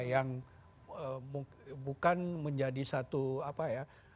yang bukan menjadi satu apa ya